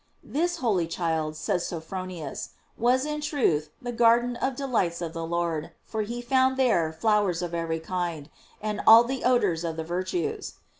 * This holy child, says Sophronius, was in truth the garden of delights of the Lord, for he found there flowers of every kind, and all the odors of the virtues.